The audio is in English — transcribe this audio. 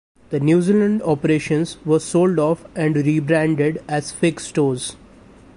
The New Zealand operations were sold off and rebranded as Fix stores.